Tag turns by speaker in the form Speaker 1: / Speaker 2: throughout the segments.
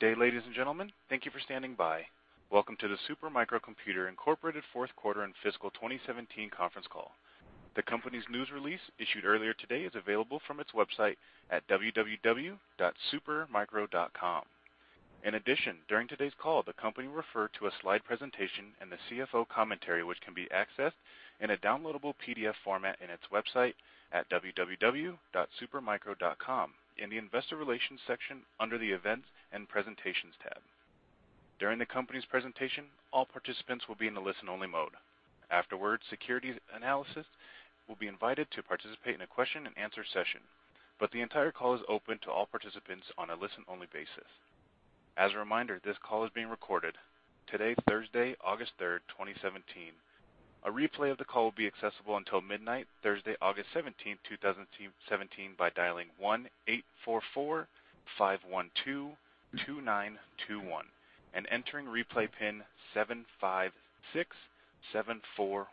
Speaker 1: Good day, ladies and gentlemen. Thank you for standing by. Welcome to the Super Micro Computer, Inc. fourth quarter and fiscal 2017 conference call. The company's news release issued earlier today is available from its website at www.supermicro.com. In addition, during today's call, the company will refer to a slide presentation and the CFO commentary, which can be accessed in a downloadable PDF format in its website at www.supermicro.com in the investor relations section under the events and presentations tab. During the company's presentation, all participants will be in the listen-only mode. Afterwards, security analysis will be invited to participate in a question and answer session. The entire call is open to all participants on a listen-only basis. As a reminder, this call is being recorded today, Thursday, August 3rd, 2017. A replay of the call will be accessible until midnight, Thursday, August 17th, 2017, by dialing 1-844-512-2921 and entering replay pin 7567416.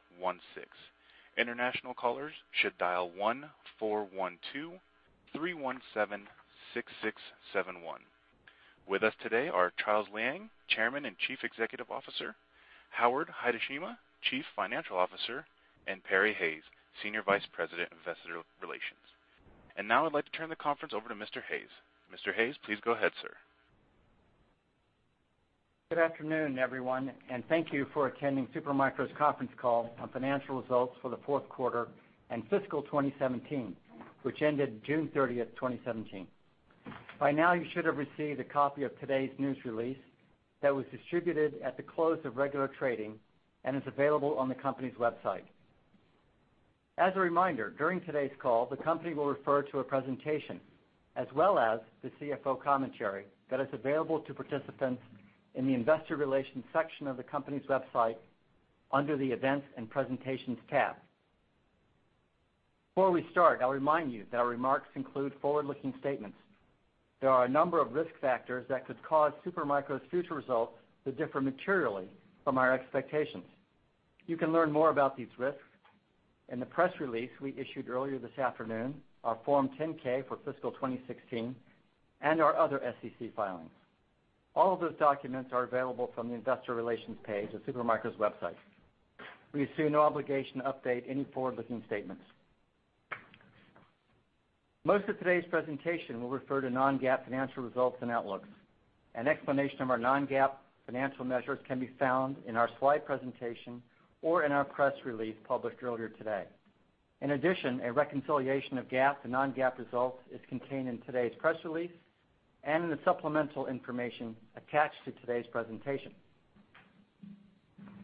Speaker 1: International callers should dial 1-412-317-6671. With us today are Charles Liang, Chairman and Chief Executive Officer. Howard Hideshima, Chief Financial Officer, and Perry Hayes, Senior Vice President of Investor Relations. Now I'd like to turn the conference over to Mr. Hayes. Mr. Hayes, please go ahead, sir.
Speaker 2: Good afternoon, everyone, and thank you for attending Super Micro's conference call on financial results for the fourth quarter and fiscal 2017, which ended June 30th, 2017. By now, you should have received a copy of today's news release that was distributed at the close of regular trading and is available on the company's website. As a reminder, during today's call, the company will refer to a presentation as well as the CFO commentary that is available to participants in the investor relations section of the company's website under the events and presentations tab. Before we start, I'll remind you that our remarks include forward-looking statements. There are a number of risk factors that could cause Super Micro's future results to differ materially from our expectations. You can learn more about these risks in the press release we issued earlier this afternoon, our Form 10-K for fiscal 2016, and our other SEC filings. All of those documents are available from the investor relations page of Super Micro's website. We assume no obligation to update any forward-looking statements. Most of today's presentation will refer to non-GAAP financial results and outlooks. An explanation of our non-GAAP financial measures can be found in our slide presentation or in our press release published earlier today. In addition, a reconciliation of GAAP to non-GAAP results is contained in today's press release and in the supplemental information attached to today's presentation.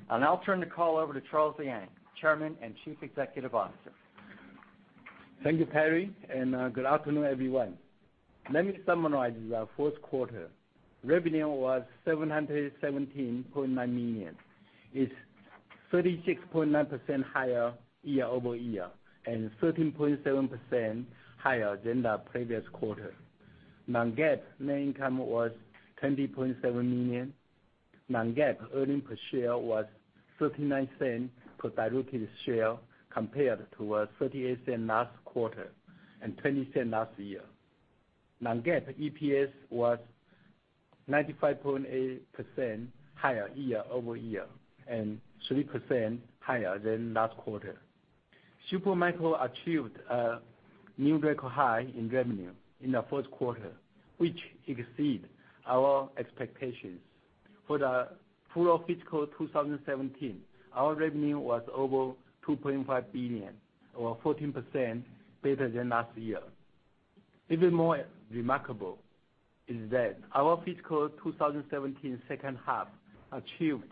Speaker 2: I'll now turn the call over to Charles Liang, Chairman and Chief Executive Officer.
Speaker 3: Thank you, Perry, and good afternoon, everyone. Let me summarize our fourth quarter. Revenue was $717.9 million, is 36.9% higher year-over-year and 13.7% higher than the previous quarter. Non-GAAP net income was $20.7 million. Non-GAAP earnings per share was $0.39 per diluted share compared to a $0.38 last quarter and $0.20 last year. Non-GAAP EPS was 95.8% higher year-over-year and 3% higher than last quarter. Super Micro achieved a new record high in revenue in the fourth quarter, which exceed our expectations. For the full fiscal 2017, our revenue was over $2.5 billion or 14% better than last year. Even more remarkable is that our fiscal 2017 second half achieved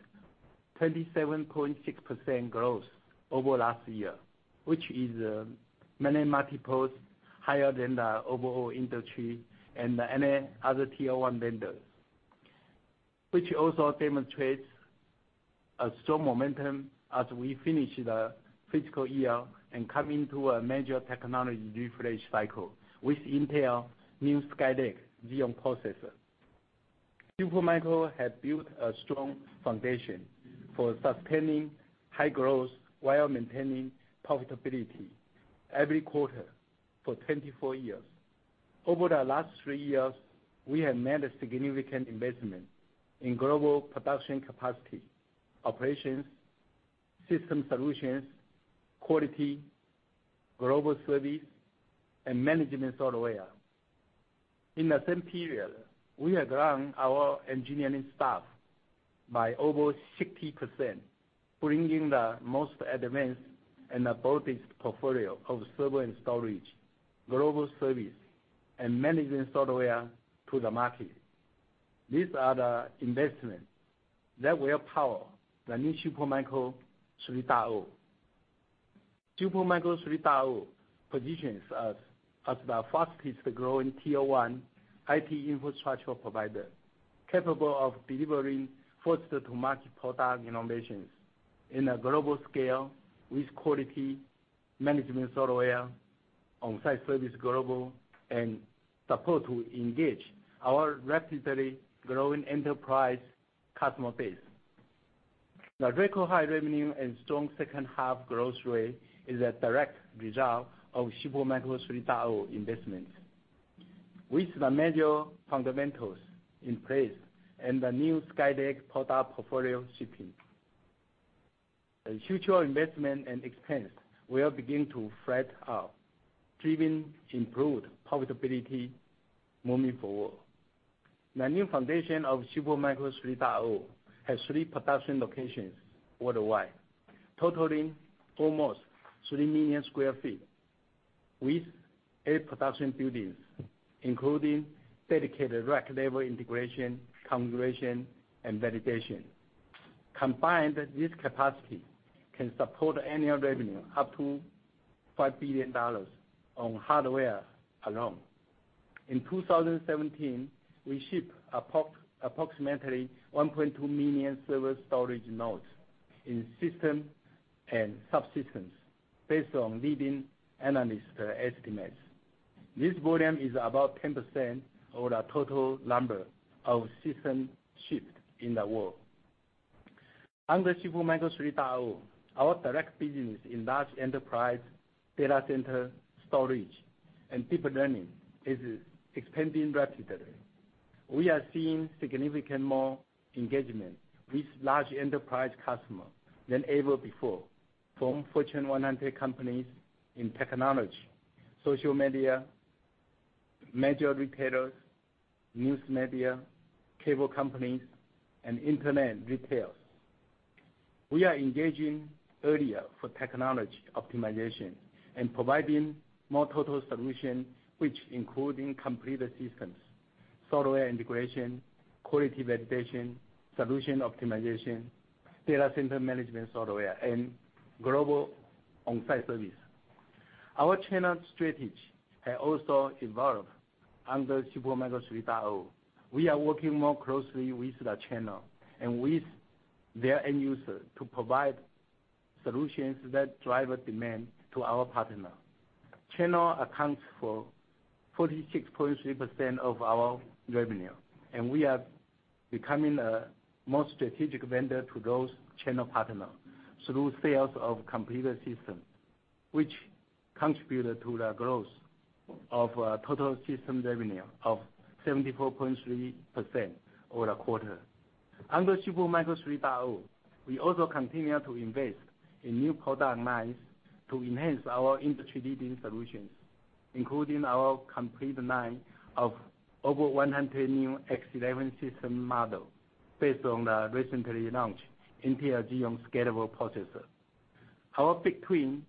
Speaker 3: 27.6% growth over last year, which is many multiples higher than the overall industry and any other tier 1 vendors, which also demonstrates a strong momentum as we finish the fiscal year and come into a major technology refresh cycle with Intel new Skylake Xeon processor. Super Micro has built a strong foundation for sustaining high growth while maintaining profitability every quarter for 24 years. Over the last three years, we have made a significant investment in global production capacity, operations, system solutions, quality, global service, and management software. In the same period, we have grown our engineering staff by over 60%, bringing the most advanced and the broadest portfolio of server and storage, global service, and management software to the market. These are the investments that will power the new Super Micro 3.0. Super Micro 3.0 positions us as the fastest-growing tier 1 IT infrastructure provider, capable of delivering faster to market product innovations in a global scale with quality management software, on-site service global and support to engage our rapidly growing enterprise customer base. The record high revenue and strong second half growth rate is a direct result of Super Micro 3.0 investments. With the major fundamentals in place and the new Skylake product portfolio shipping, the future investment and expense will begin to flat out, driven improved profitability moving forward. The new foundation of Super Micro 3.0 has three production locations worldwide, totaling almost 3 million sq ft with eight production buildings, including dedicated rack level integration, configuration, and validation. Combined, this capacity can support annual revenue up to $5 billion on hardware alone. In 2017, we ship approximately 1.2 million server storage nodes in system and subsystems based on leading analyst estimates. This volume is about 10% of the total number of systems shipped in the world. Under Super Micro 3.0, our direct business in large enterprise data center storage and deep learning is expanding rapidly. We are seeing significant more engagement with large enterprise customer than ever before from Fortune 100 companies in technology, social media, major retailers, news media, cable companies, and internet retailers. We are engaging earlier for technology optimization and providing more total solution, which including completed systems, software integration, quality validation, solution optimization, data center management software, and global on-site service. Our channel strategy has also evolved under Super Micro 3.0. We are working more closely with the channel and with their end user to provide solutions that drive demand to our partner. Channel accounts for 46.3% of our revenue, and we are becoming a more strategic vendor to those channel partners through sales of computer system, which contributed to the growth of total system revenue of 74.3% over the quarter. Under Super Micro 3.0, we also continue to invest in new product lines to enhance our industry-leading solutions, including our complete line of over 100 new X11 system model based on the recently launched Intel Xeon Scalable processor. Our BigTwin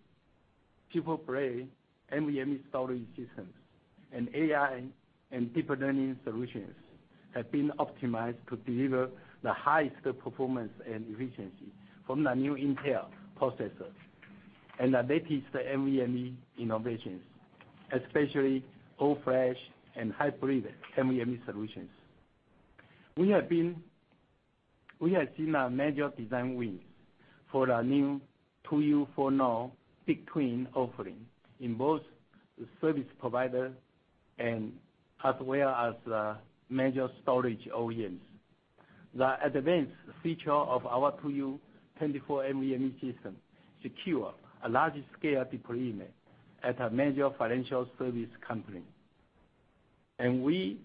Speaker 3: SuperBlade NVMe storage systems and AI and deep learning solutions have been optimized to deliver the highest performance and efficiency from the new Intel processor and the latest NVMe innovations, especially all flash and hybrid NVMe solutions. We have seen a major design win for the new 2U 40 BigTwin offering in both service provider and as well as the major storage OEMs. The advanced feature of our 2U 24 NVMe system secure a large scale deployment at a major financial service company, and we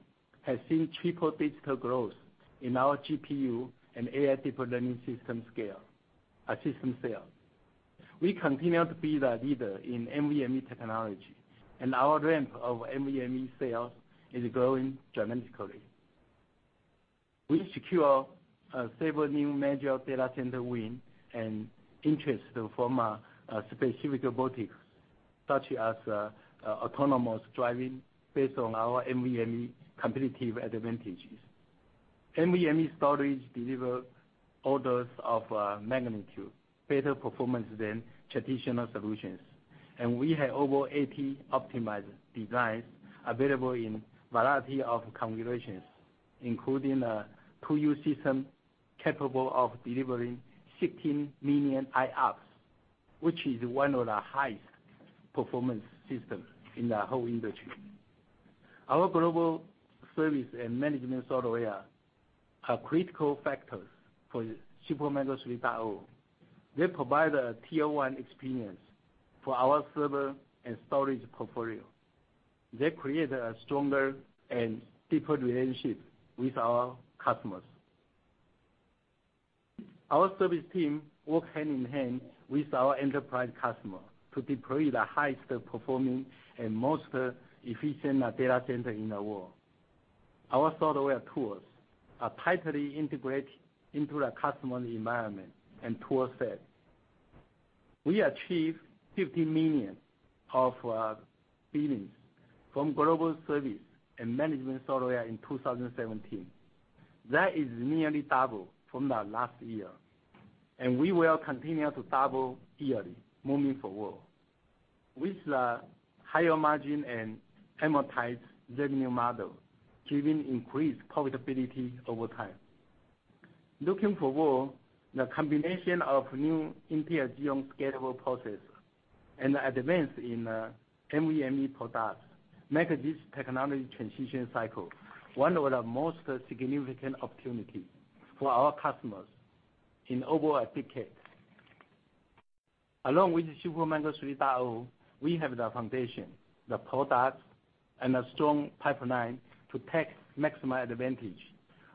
Speaker 3: have seen triple-digit growth in our GPU and AI deep learning system sale. We continue to be the leader in NVMe technology, and our ramp of NVMe sales is growing dramatically, which secure several new major data center win and interest from specific robotics such as autonomous driving based on our NVMe competitive advantages. NVMe storage deliver orders of magnitude better performance than traditional solutions, and we have over 80 optimized designs available in variety of configurations, including a 2U system capable of delivering 16 million IOPS, which is one of the highest performance systems in the whole industry. Our global service and management software are critical factors for Super Micro 3.0. They provide a Tier 1 experience for our server and storage portfolio. They create a stronger and deeper relationship with our customers. Our service team work hand in hand with our enterprise customer to deploy the highest performing and most efficient data center in the world. Our software tools are tightly integrated into the customer's environment and tool set. We achieved $50 million of billings from global service and management software in 2017. That is nearly double from the last year, and we will continue to double yearly moving forward. With the higher margin and amortized revenue model, driven increased profitability over time. Looking forward, the combination of new Intel Xeon Scalable processor and the advance in NVMe products make this technology transition cycle one of the most significant opportunities for our customers in overall decade. Along with Supermicro 3.0, we have the foundation, the products, and a strong pipeline to take maximum advantage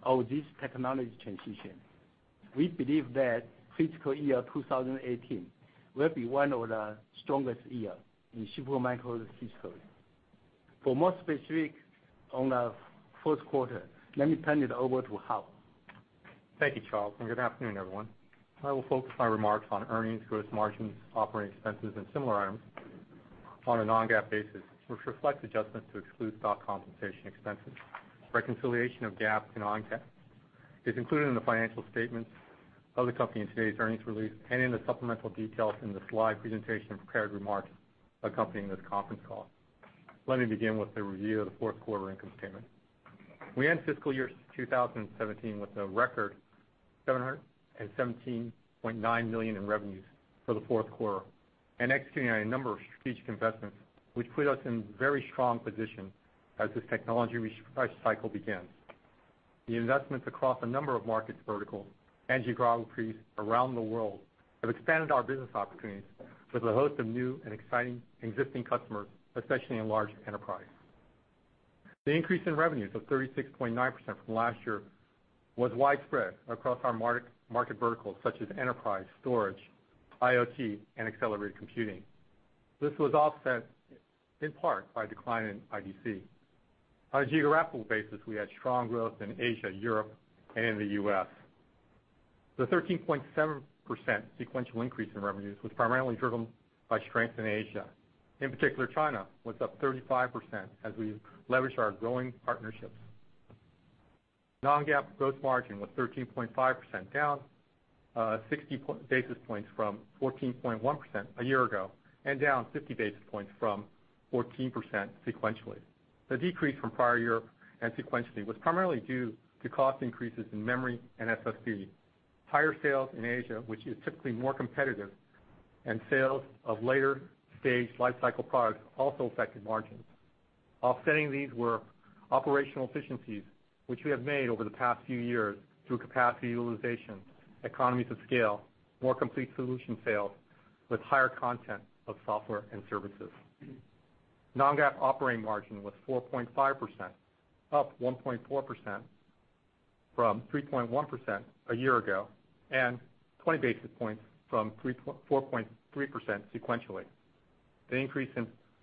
Speaker 3: of this technology transition. We believe that fiscal year 2018 will be one of the strongest year in Super Micro's history. For more specifics on our first quarter, let me turn it over to Howard.
Speaker 4: Thank you, Charles, and good afternoon, everyone. I will focus my remarks on earnings, gross margins, operating expenses, and similar items on a non-GAAP basis, which reflects adjustments to exclude stock compensation expenses. Reconciliation of GAAP to non-GAAP is included in the financial statements of the company in today's earnings release and in the supplemental details in the slide presentation of prepared remarks accompanying this conference call. Let me begin with a review of the fourth quarter income statement. We end fiscal year 2017 with a record $717.9 million in revenues for the fourth quarter and executing on a number of strategic investments, which put us in very strong position as this technology refresh cycle begins. The investments across a number of markets vertical and geographies around the world have expanded our business opportunities with a host of new and exciting existing customers, especially in large enterprise. The increase in revenues of 36.9% from last year was widespread across our market verticals, such as enterprise, storage, IoT, and accelerated computing. This was offset in part by a decline in IDC. On a geographical basis, we had strong growth in Asia, Europe, and in the U.S. The 13.7% sequential increase in revenues was primarily driven by strength in Asia. In particular, China was up 35% as we leverage our growing partnerships. Non-GAAP gross margin was 13.5%, down 60 basis points from 14.1% a year ago, and down 50 basis points from 14% sequentially. The decrease from prior year and sequentially was primarily due to cost increases in memory and SSD. Higher sales in Asia, which is typically more competitive, and sales of later stage life cycle products also affected margins. Offsetting these were operational efficiencies, which we have made over the past few years through capacity utilization, economies of scale, more complete solution sales with higher content of software and services. Non-GAAP operating margin was 4.5%, up 1.4% from 3.1% a year ago, and 20 basis points from 4.3% sequentially. The increase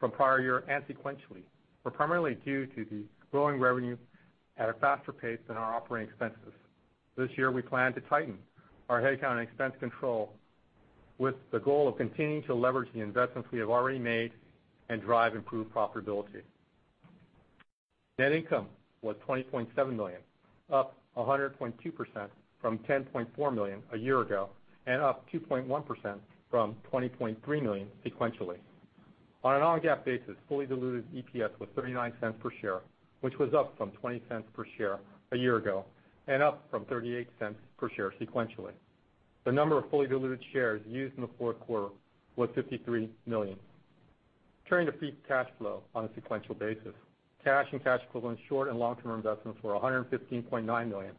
Speaker 4: from prior year and sequentially were primarily due to the growing revenue at a faster pace than our operating expenses. This year, we plan to tighten our headcount and expense control with the goal of continuing to leverage the investments we have already made and drive improved profitability. Net income was $20.7 million, up 100.2% from $10.4 million a year ago, and up 2.1% from $20.3 million sequentially. On a non-GAAP basis, fully diluted EPS was $0.39 per share, which was up from $0.20 per share a year ago and up from $0.38 per share sequentially. The number of fully diluted shares used in the fourth quarter was 53 million. Turning to free cash flow on a sequential basis. Cash and cash equivalents, short- and long-term investments were $115.9 million,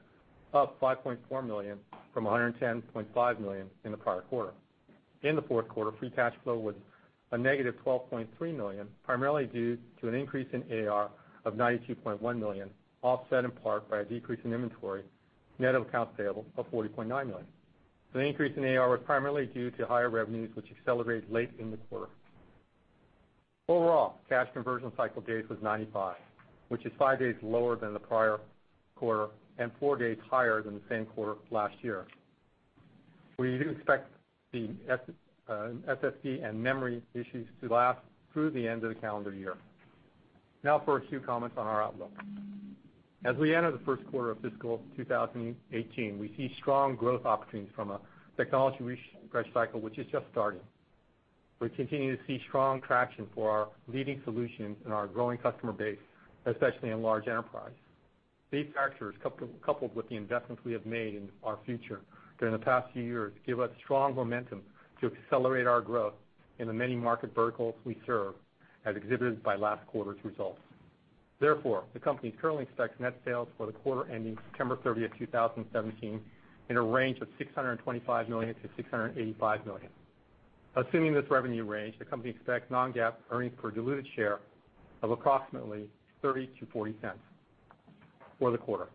Speaker 4: up $5.4 million from $110.5 million in the prior quarter. In the fourth quarter, free cash flow was a negative $12.3 million, primarily due to an increase in AR of $92.1 million, offset in part by a decrease in inventory, net accounts payable of $40.9 million. The increase in AR was primarily due to higher revenues, which accelerated late in the quarter. Overall, cash conversion cycle days was 95, which is five days lower than the prior quarter and four days higher than the same quarter last year. We do expect the SSD and memory issues to last through the end of the calendar year. Now for a few comments on our outlook. As we enter the first quarter of fiscal 2018, we see strong growth opportunities from a technology refresh cycle, which is just starting. We continue to see strong traction for our leading solutions and our growing customer base, especially in large enterprise. These factors, coupled with the investments we have made in our future during the past few years, give us strong momentum to accelerate our growth in the many market verticals we serve, as exhibited by last quarter's results. The company currently expects net sales for the quarter ending September 30, 2017, in a range of $625 million-$685 million. Assuming this revenue range, the company expects non-GAAP earnings per diluted share of approximately $0.30-$0.40 for the quarter.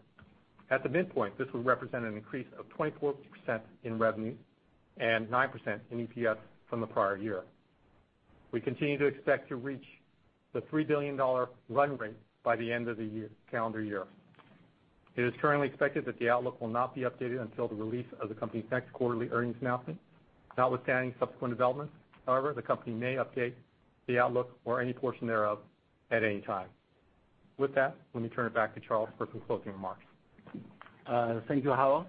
Speaker 4: At the midpoint, this would represent an increase of 24% in revenue and 9% in EPS from the prior year. We continue to expect to reach the $3 billion run rate by the end of the calendar year. It is currently expected that the outlook will not be updated until the release of the company's next quarterly earnings announcement. Notwithstanding subsequent developments, however, the company may update the outlook or any portion thereof at any time. With that, let me turn it back to Charles for concluding remarks.
Speaker 3: Thank you, Howard.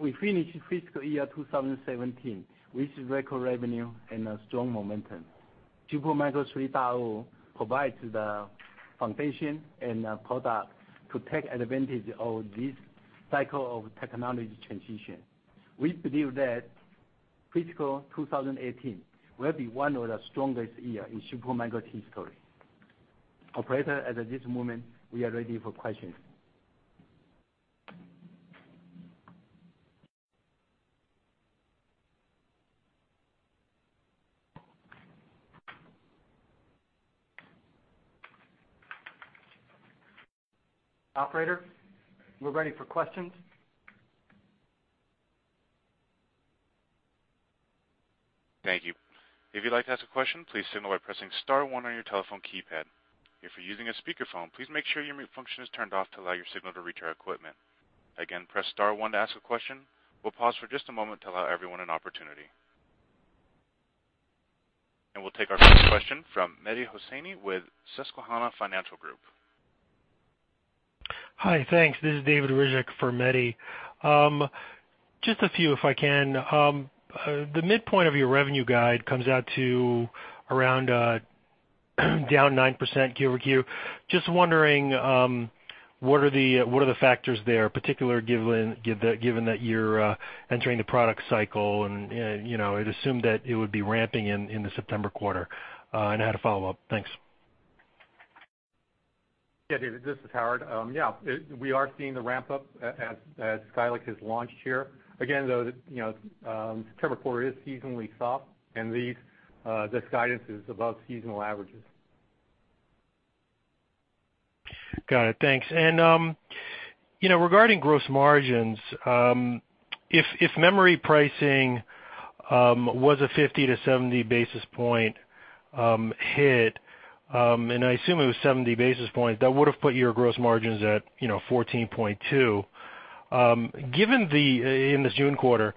Speaker 3: We finished fiscal year 2017 with record revenue and a strong momentum. Super Micro 3.0 provides the foundation and the product to take advantage of this cycle of technology transition. We believe that fiscal 2018 will be one of the strongest year in Super Micro's history. Operator, as of this moment, we are ready for questions.
Speaker 4: Operator, we're ready for questions.
Speaker 1: Thank you. If you'd like to ask a question, please signal by pressing star one on your telephone keypad. If you're using a speakerphone, please make sure your mute function is turned off to allow your signal to reach our equipment. Again, press star one to ask a question, we'll pause for just a moment to allow everyone an opportunity. We'll take our first question from Mehdi Hosseini with Susquehanna Financial Group.
Speaker 5: Hi. Thanks. This is David Ryzhik for Mehdi. Just a few, if I can. The midpoint of your revenue guide comes out to around down 9% Q over Q. Just wondering, what are the factors there, particular given that you're entering a product cycle and it assumed that it would be ramping in the September quarter, and I had a follow-up. Thanks.
Speaker 4: David. This is Howard. We are seeing the ramp-up as Skylake has launched here. Again, though, September quarter is seasonally soft and this guidance is above seasonal averages.
Speaker 5: Got it. Thanks. Regarding gross margins, if memory pricing was a 50-70 basis point hit, and I assume it was 70 basis points, that would've put your gross margins at 14.2%. In the June quarter,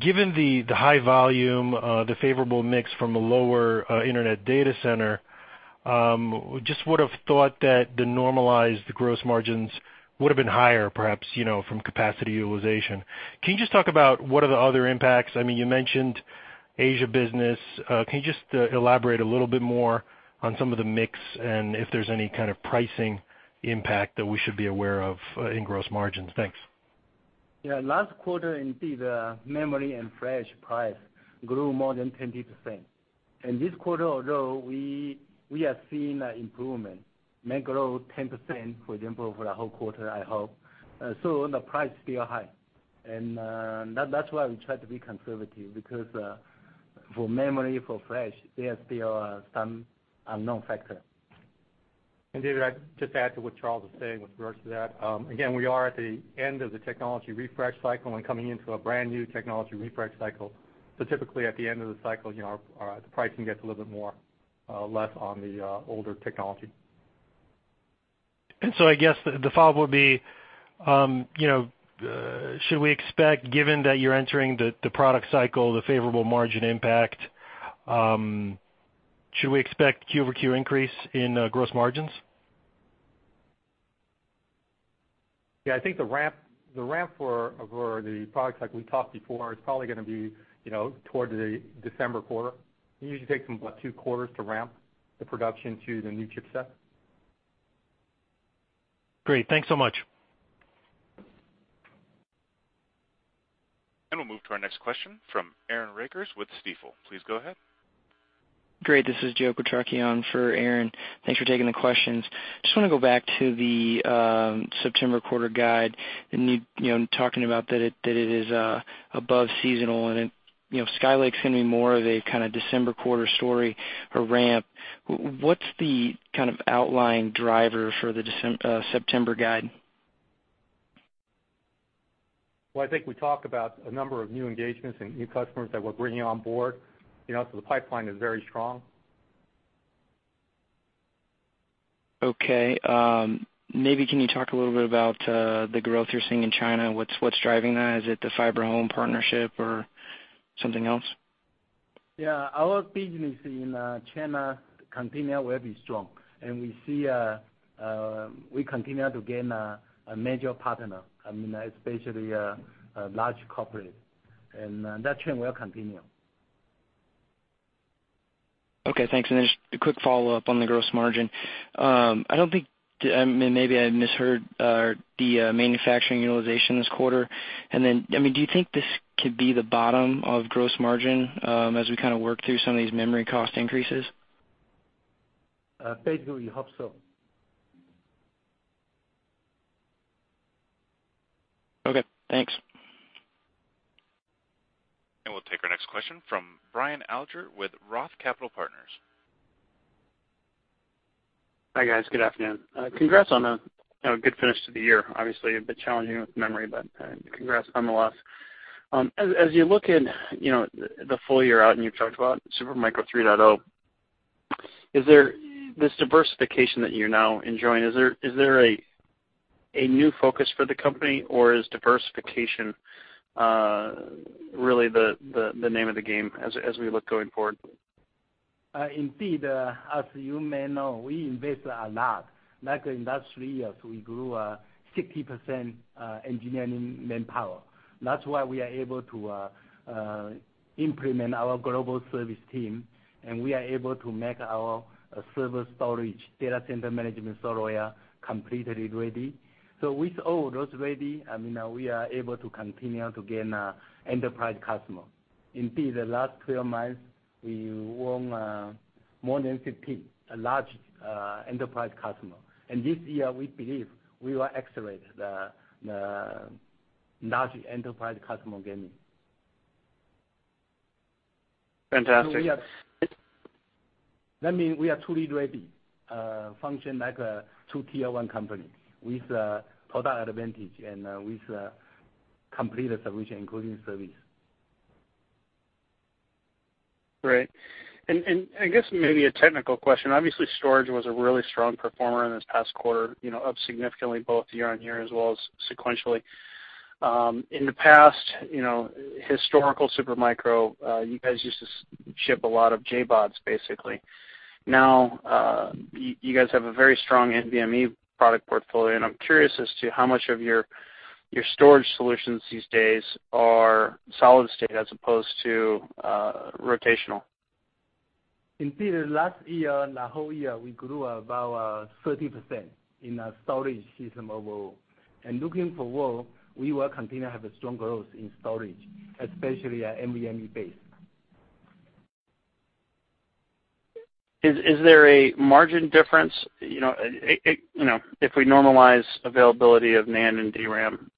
Speaker 5: given the high volume, the favorable mix from the lower Internet Data Center, just would've thought that the normalized gross margins would've been higher, perhaps, from capacity utilization. Can you just talk about what are the other impacts? You mentioned Asia business. Can you just elaborate a little bit more on some of the mix and if there's any kind of pricing impact that we should be aware of in gross margins? Thanks.
Speaker 3: Yeah. Last quarter indeed, memory and flash price grew more than 20%. This quarter although, we are seeing improvement, may grow 10%, for example, for the whole quarter, I hope. The price is still high. That is why we try to be conservative because, for memory, for flash, there are still some unknown factor.
Speaker 4: David, I just add to what Charles Liang was saying with regards to that. Again, we are at the end of the technology refresh cycle and coming into a brand-new technology refresh cycle. Typically, at the end of the cycle, the pricing gets a little bit more less on the older technology.
Speaker 5: I guess the follow-up would be, should we expect, given that you are entering the product cycle, the favorable margin impact, should we expect Q over Q increase in gross margins?
Speaker 4: Yeah, I think the ramp for the products, like we talked before, is probably going to be toward the December quarter. It usually takes them about two quarters to ramp the production to the new chipset.
Speaker 5: Great. Thanks so much.
Speaker 1: We'll move to our next question from Aaron Rakers with Stifel. Please go ahead.
Speaker 6: Great. This is Joseph Quatrochi for Aaron. Thanks for taking the questions. Just want to go back to the September quarter guide and you talking about that it is above seasonal and then Skylake's going to be more of a December quarter story or ramp. What's the kind of outlying driver for the September guide?
Speaker 4: Well, I think we talked about a number of new engagements and new customers that we're bringing on board. The pipeline is very strong.
Speaker 6: Okay. Maybe can you talk a little bit about the growth you're seeing in China? What's driving that? Is it the FiberHome partnership or something else?
Speaker 3: Yeah. Our business in China continue very strong, we continue to gain a major partner, especially large corporate. That trend will continue.
Speaker 6: Okay, thanks. Just a quick follow-up on the gross margin. I don't think, maybe I misheard, the manufacturing utilization this quarter. Do you think this could be the bottom of gross margin as we work through some of these memory cost increases?
Speaker 3: Basically, we hope so.
Speaker 6: Okay, thanks.
Speaker 1: We'll take our next question from Brian Alger with Roth Capital Partners.
Speaker 7: Hi, guys. Good afternoon. Congrats on a good finish to the year. Obviously, a bit challenging with memory, but congrats nonetheless. As you look in the full year out, you've talked about Super Micro 3.0, this diversification that you're now enjoying, is there a new focus for the company, or is diversification really the name of the game as we look going forward?
Speaker 3: As you may know, we invest a lot. Like in that three years, we grew 60% engineering manpower. That's why we are able to implement our global service team, and we are able to make our server storage data center management software completely ready. With all those ready, we are able to continue to gain enterprise customer. Indeed, the last 12 months, we won more than 15 large enterprise customer. This year, we believe we will accelerate the large enterprise customer gaining.
Speaker 7: Fantastic.
Speaker 3: That means we are truly ready. Function like a true Tier 1 company with product advantage and with complete solution, including service.
Speaker 7: Great. I guess maybe a technical question. Obviously, storage was a really strong performer in this past quarter, up significantly both year-over-year as well as sequentially. In the past, historical Super Micro, you guys used to ship a lot of JBODs, basically. Now, you guys have a very strong NVMe product portfolio, and I'm curious as to how much of your storage solutions these days are solid state as opposed to rotational.
Speaker 3: Indeed. Last year, the whole year, we grew about 30% in our storage system overall. Looking forward, we will continue to have a strong growth in storage, especially at NVMe base.
Speaker 7: Is there a margin difference? If we normalize availability of NAND and DRAM,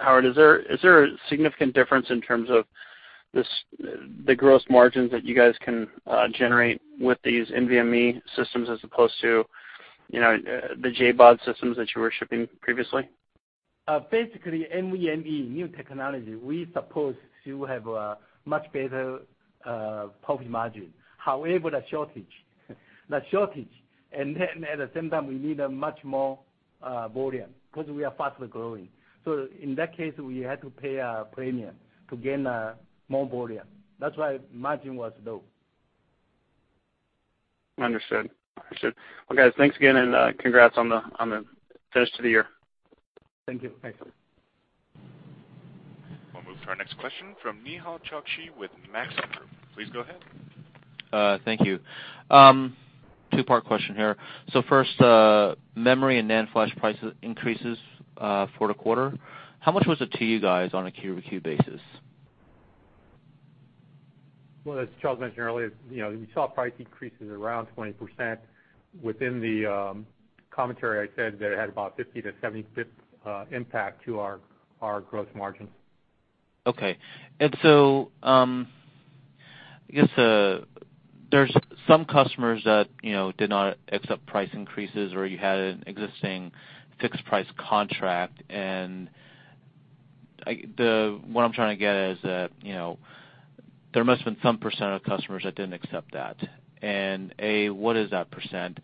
Speaker 7: Howard, is there a significant difference in terms of the gross margins that you guys can generate with these NVMe systems as opposed to the JBOD systems that you were shipping previously?
Speaker 3: NVMe, new technology, we suppose to have a much better profit margin. The shortage. Then at the same time, we need a much more volume because we are faster growing. In that case, we had to pay a premium to gain more volume. That's why margin was low.
Speaker 7: Understood. Guys, thanks again, and congrats on the finish to the year.
Speaker 3: Thank you.
Speaker 1: We'll move to our next question from Nehal Chokshi with Maxim Group. Please go ahead.
Speaker 8: Thank you. Two-part question here. First, memory and NAND flash price increases for the quarter, how much was it to you guys on a quarter-over-quarter basis?
Speaker 4: Well, as Charles mentioned earlier, we saw price increases around 20%. Within the commentary, I said that it had about 50-70 basis point impact to our gross margins.
Speaker 8: Okay. I guess there's some customers that did not accept price increases, or you had an existing fixed price contract, what I'm trying to get at is that there must have been some % of customers that didn't accept that. A, what is that %?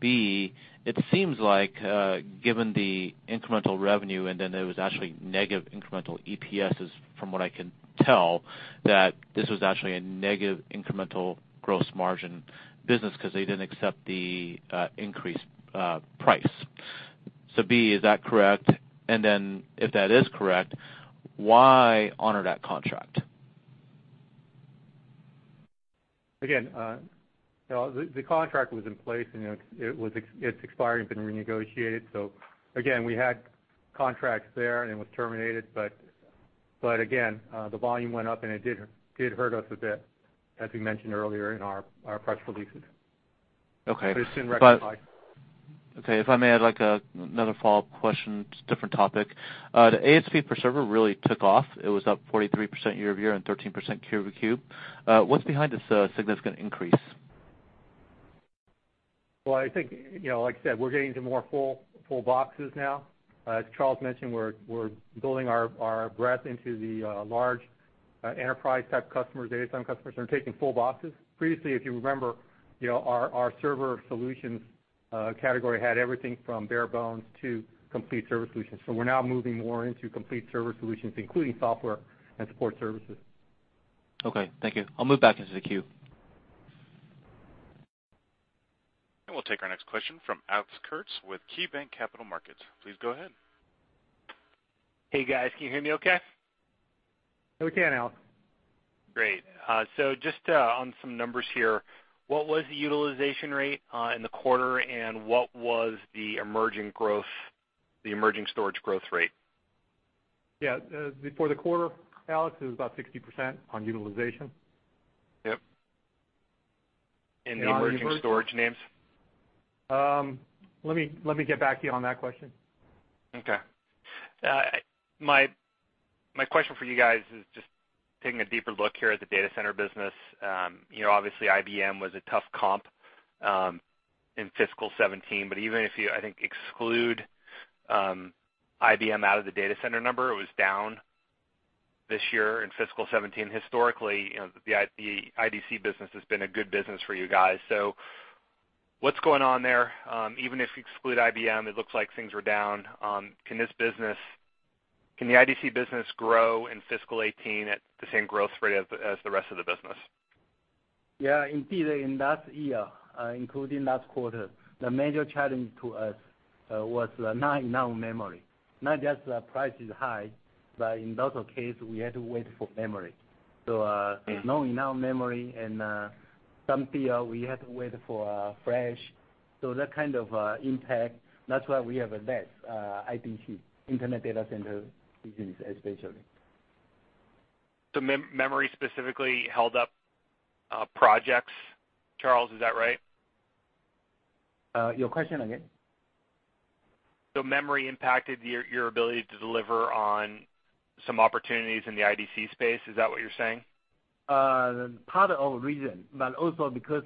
Speaker 8: B, it seems like, given the incremental revenue, it was actually negative incremental EPS, from what I can tell, that this was actually a negative incremental gross margin business because they didn't accept the increased price. B, is that correct? If that is correct, why honor that contract?
Speaker 4: Again, the contract was in place, and it's expired and been renegotiated. Again, we had contracts there, and it was terminated. Again, the volume went up, and it did hurt us a bit, as we mentioned earlier in our press releases.
Speaker 8: Okay.
Speaker 4: It's been recognized.
Speaker 8: Okay. If I may, I'd like another follow-up question, different topic. The ASP per server really took off. It was up 43% year-over-year and 13% Q-over-Q. What's behind this significant increase?
Speaker 4: Well, I think, like I said, we're getting to more full boxes now. As Charles mentioned, we're building our breadth into the large enterprise type customers, data center customers that are taking full boxes. Previously, if you remember, our server solutions category had everything from bare bones to complete server solutions. We're now moving more into complete server solutions, including software and support services.
Speaker 8: Okay, thank you. I'll move back into the queue.
Speaker 1: We'll take our next question from Alex Kurtz with KeyBanc Capital Markets. Please go ahead.
Speaker 9: Hey, guys. Can you hear me okay?
Speaker 4: We can, Alex.
Speaker 9: Great. Just on some numbers here, what was the utilization rate in the quarter, and what was the emerging storage growth rate?
Speaker 4: Yeah. For the quarter, Alex, it was about 60% on utilization.
Speaker 9: Yep. The emerging storage names?
Speaker 4: Let me get back to you on that question.
Speaker 9: Okay. My question for you guys is just taking a deeper look here at the data center business. Obviously, IBM was a tough comp in fiscal 2017, but even if you, I think, exclude IBM out of the data center number, it was down this year in fiscal 2017. Historically, the IDC business has been a good business for you guys. What's going on there? Even if you exclude IBM, it looks like things are down. Can the IDC business grow in fiscal 2018 at the same growth rate as the rest of the business?
Speaker 3: Yeah. Indeed, in last year, including last quarter, the major challenge to us was not enough memory. Not just the price is high, but in lots of cases, we had to wait for memory. There's not enough memory, and some PO we had to wait for Flash. That kind of impact. That's why we have a less IDC, Internet Data Center business, especially.
Speaker 9: Memory specifically held up projects, Charles, is that right?
Speaker 3: Your question again.
Speaker 9: Memory impacted your ability to deliver on some opportunities in the IDC space. Is that what you're saying?
Speaker 3: Part of reason, but also because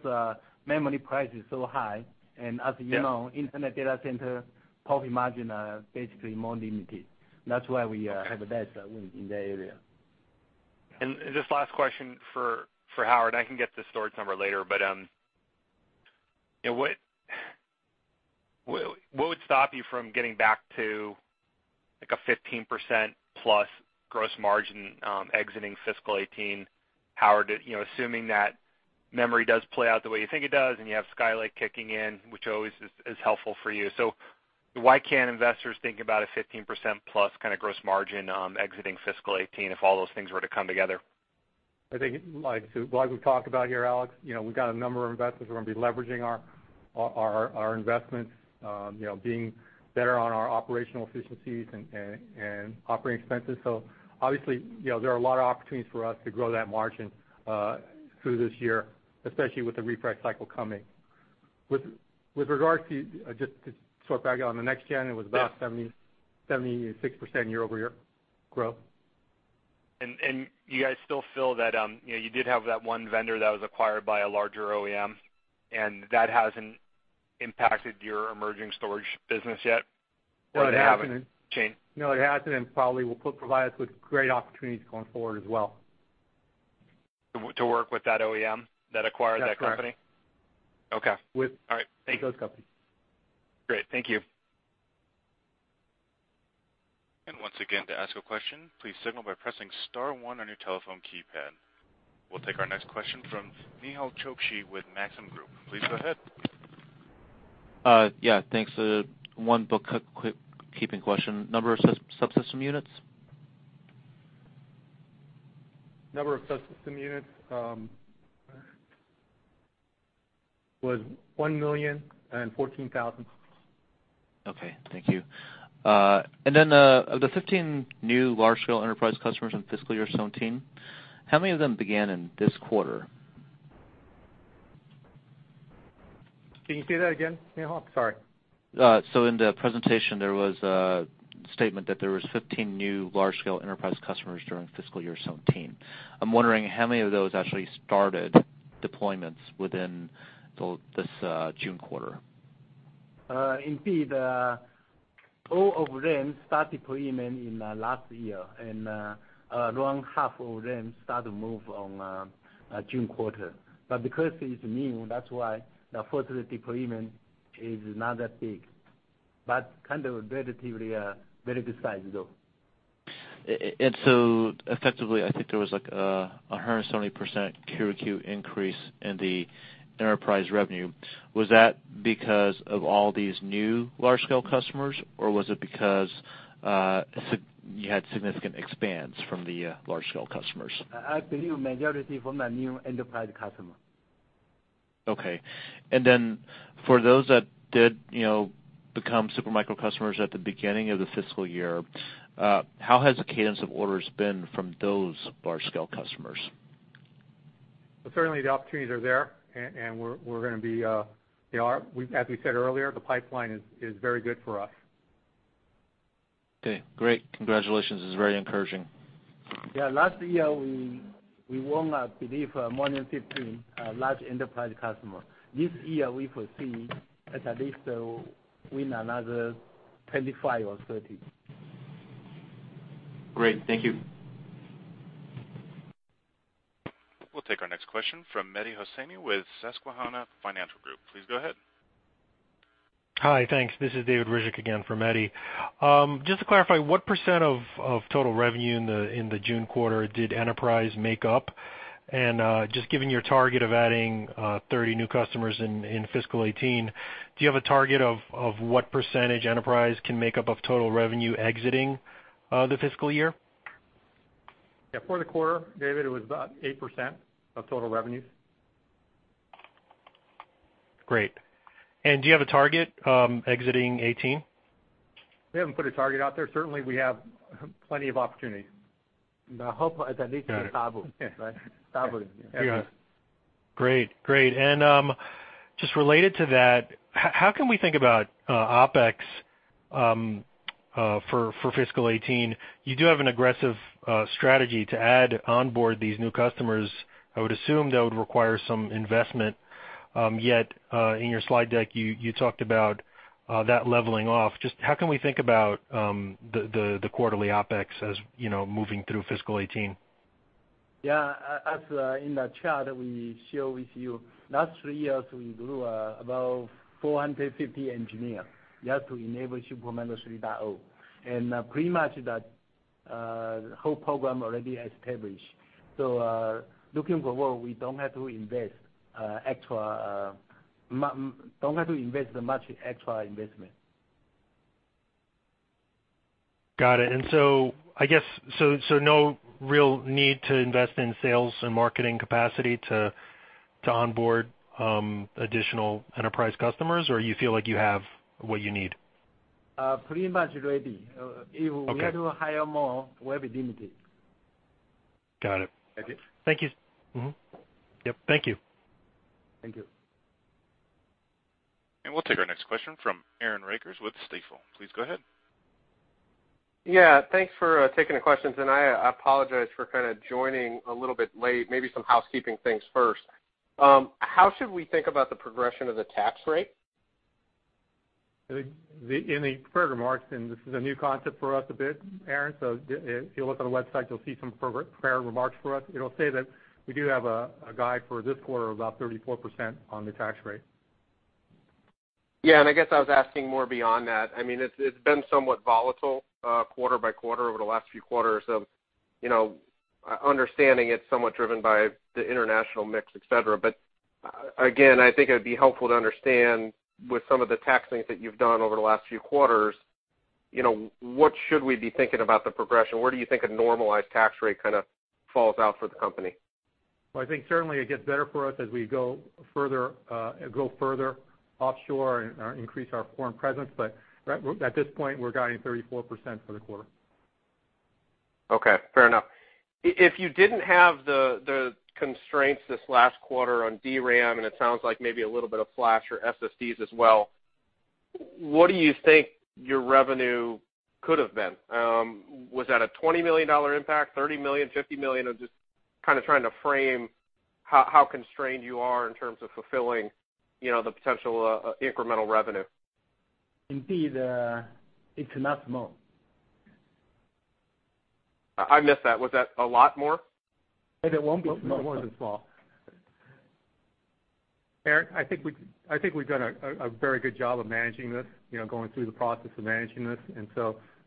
Speaker 3: memory price is so high, and as you know.
Speaker 9: Yeah
Speaker 3: Internet Data Center profit margin are basically more limited. That's why we have.
Speaker 9: Okay
Speaker 3: a less win in that area.
Speaker 9: Just last question for Howard. I can get the storage number later, but what would stop you from getting back to a 15%+ gross margin exiting fiscal 2018, Howard? Assuming that memory does play out the way you think it does, and you have Skylake kicking in, which always is helpful for you. Why can't investors think about a 15%+ gross margin exiting fiscal 2018 if all those things were to come together?
Speaker 4: I think, like we've talked about here, Alex, we've got a number of investments. We're going to be leveraging our investments, being better on our operational efficiencies and operating expenses. Obviously, there are a lot of opportunities for us to grow that margin through this year, especially with the refresh cycle coming. With regard to, just to circle back on the next-gen, it was about 76% year-over-year growth.
Speaker 9: You guys still feel that, you did have that one vendor that was acquired by a larger OEM, that hasn't impacted your emerging storage business yet? That hasn't changed?
Speaker 4: No, it hasn't, probably will provide us with great opportunities going forward as well.
Speaker 9: To work with that OEM that acquired that company?
Speaker 4: That's correct.
Speaker 9: Okay. All right. Thank you.
Speaker 4: With those companies.
Speaker 9: Great. Thank you.
Speaker 1: Once again, to ask a question, please signal by pressing star one on your telephone keypad. We'll take our next question from Nehal Chokshi with Maxim Group. Please go ahead.
Speaker 8: Yeah. Thanks. One bookkeeping question. Number of subsystem units?
Speaker 4: Number of subsystem units was 1,014,000.
Speaker 8: Okay. Thank you. Then, of the 15 new large-scale enterprise customers in fiscal year 2017, how many of them began in this quarter?
Speaker 4: Can you say that again, Nehal? Sorry.
Speaker 8: In the presentation, there was a statement that there was 15 new large scale enterprise customers during fiscal year 2017. I am wondering how many of those actually started deployments within this June quarter.
Speaker 3: Indeed, all of them start deployment in last year, and around half of them start to move on June quarter. Because it's new, that's why the first deployment is not that big, but kind of relatively a very good size, though.
Speaker 8: Effectively, I think there was like a 170% quarter-over-quarter increase in the enterprise revenue. Was that because of all these new large scale customers, or was it because you had significant expanse from the large scale customers?
Speaker 3: I believe majority from the new enterprise customer.
Speaker 8: Okay. For those that did become Super Micro customers at the beginning of the fiscal year, how has the cadence of orders been from those large scale customers?
Speaker 4: Certainly, the opportunities are there. As we said earlier, the pipeline is very good for us.
Speaker 8: Okay. Great. Congratulations. This is very encouraging.
Speaker 3: Yeah. Last year, we won, I believe, more than 15 large enterprise customer. This year, we foresee at least win another 25 or 30.
Speaker 8: Great. Thank you.
Speaker 1: We'll take our next question from Mehdi Hosseini with Susquehanna Financial Group. Please go ahead.
Speaker 5: Hi. Thanks. This is David Ryzhik again for Mehdi. Just to clarify, what % of total revenue in the June quarter did enterprise make up? Just giving your target of adding 30 new customers in fiscal 2018, do you have a target of what % enterprise can make up of total revenue exiting the fiscal year?
Speaker 4: Yeah. For the quarter, David, it was about 8% of total revenues.
Speaker 5: Great. Do you have a target exiting 2018?
Speaker 4: We haven't put a target out there. Certainly, we have plenty of opportunities.
Speaker 3: The hope at least is double.
Speaker 4: Yeah.
Speaker 3: Right? Double.
Speaker 4: Yes.
Speaker 5: Great. Just related to that, how can we think about OpEx for fiscal 2018? You do have an aggressive strategy to add onboard these new customers. I would assume that would require some investment, yet in your slide deck, you talked about that leveling off. Just how can we think about the quarterly OpEx as moving through fiscal 2018?
Speaker 3: As in the chart we share with you, last three years, we grew about 450 engineers just to enable Supermicro 3.0. Pretty much the whole program already established. Looking forward, we don't have to invest much extra investment.
Speaker 5: Got it. I guess, no real need to invest in sales and marketing capacity to onboard additional enterprise customers, or you feel like you have what you need?
Speaker 3: Pretty much ready.
Speaker 5: Okay.
Speaker 3: If we had to hire more, we're limited.
Speaker 5: Got it.
Speaker 3: Okay.
Speaker 5: Thank you. Mm-hmm. Yep. Thank you.
Speaker 3: Thank you.
Speaker 1: We'll take our next question from Aaron Rakers with Stifel. Please go ahead.
Speaker 10: Yeah. Thanks for taking the questions, and I apologize for kind of joining a little bit late, maybe some housekeeping things first. How should we think about the progression of the tax rate?
Speaker 4: In the prepared remarks, and this is a new concept for us a bit, Aaron, so if you look on the website, you'll see some prepared remarks for us. It'll say that we do have a guide for this quarter of about 34% on the tax rate.
Speaker 10: I guess I was asking more beyond that. It's been somewhat volatile quarter by quarter over the last few quarters. Understanding it's somewhat driven by the international mix, et cetera. Again, I think it would be helpful to understand with some of the tax things that you've done over the last few quarters, what should we be thinking about the progression? Where do you think a normalized tax rate kind of falls out for the company?
Speaker 4: Well, I think certainly it gets better for us as we go further offshore and increase our foreign presence. At this point, we're guiding 34% for the quarter.
Speaker 10: Okay. Fair enough. If you didn't have the constraints this last quarter on DRAM, it sounds like maybe a little bit of flash or SSDs as well, what do you think your revenue could have been? Was that a $20 million impact, $30 million, $50 million? I'm just kind of trying to frame how constrained you are in terms of fulfilling the potential incremental revenue.
Speaker 3: Indeed, it's a lot more.
Speaker 10: I missed that. Was that a lot more?
Speaker 3: It won't be more than small.
Speaker 4: Aaron, I think we've done a very good job of managing this, going through the process of managing this.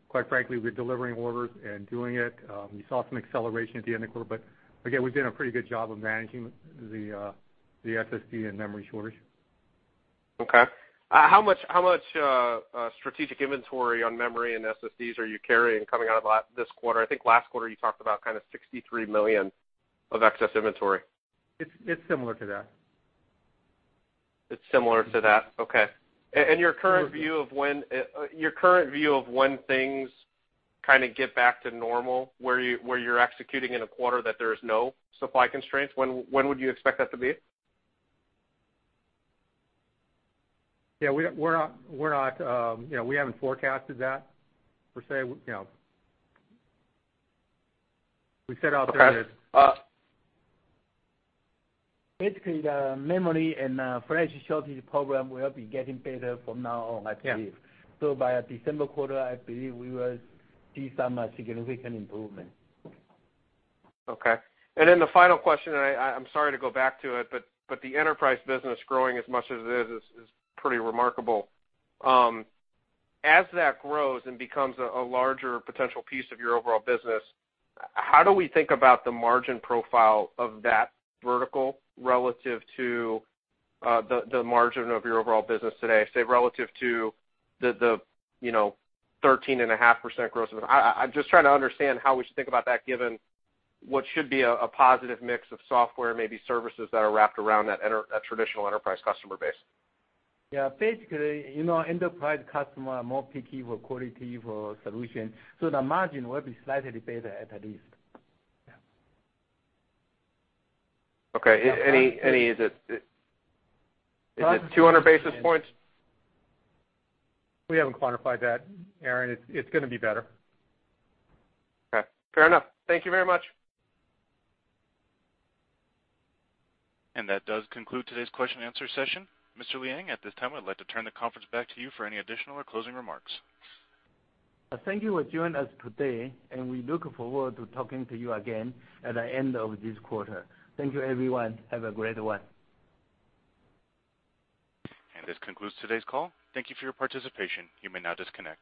Speaker 4: Quite frankly, we're delivering orders and doing it. We saw some acceleration at the end of the quarter, but again, we've done a pretty good job of managing the SSD and memory shortage.
Speaker 10: Okay. How much strategic inventory on memory and SSDs are you carrying coming out of this quarter? I think last quarter you talked about kind of $63 million of excess inventory.
Speaker 4: It's similar to that.
Speaker 10: It's similar to that. Okay.
Speaker 4: Similar.
Speaker 10: Your current view of when things kind of get back to normal, where you're executing in a quarter that there is no supply constraints, when would you expect that to be?
Speaker 4: Yeah, we haven't forecasted that per se. We said out there that.
Speaker 10: Okay.
Speaker 3: Basically, the memory and flash shortage problem will be getting better from now on, I believe.
Speaker 4: Yeah.
Speaker 3: By December quarter, I believe we will see some significant improvement.
Speaker 10: Okay. The final question, I'm sorry to go back to it, but the enterprise business growing as much as it is pretty remarkable. As that grows and becomes a larger potential piece of your overall business, how do we think about the margin profile of that vertical relative to the margin of your overall business today, say, relative to the 13.5% gross? I'm just trying to understand how we should think about that given what should be a positive mix of software, maybe services that are wrapped around that traditional enterprise customer base.
Speaker 3: Yeah. Basically, enterprise customer are more picky for quality for solution. The margin will be slightly better at least. Yeah.
Speaker 10: Okay. Is it 200 basis points?
Speaker 4: We haven't quantified that, Aaron. It's gonna be better.
Speaker 10: Okay. Fair enough. Thank you very much.
Speaker 1: That does conclude today's question and answer session. Mr. Liang, at this time, I'd like to turn the conference back to you for any additional or closing remarks.
Speaker 3: Thank you for joining us today. We look forward to talking to you again at the end of this quarter. Thank you everyone. Have a great one.
Speaker 1: This concludes today's call. Thank you for your participation. You may now disconnect.